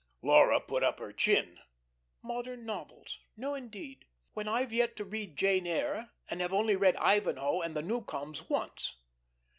Laura put up her chin. "Modern novels no indeed. When I've yet to read 'Jane Eyre,' and have only read 'Ivanhoe' and 'The Newcomes' once."